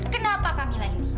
kenapa kak mila indi